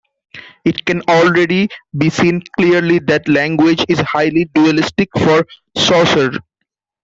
It can already be seen clearly that language is highly dualistic for Saussure.